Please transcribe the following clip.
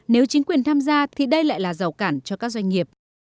nếu chính quyền tham gia thì đây lại là rào cản cho các doanh nghiệp